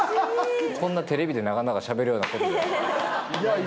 こんなテレビで長々しゃべるようなことではない。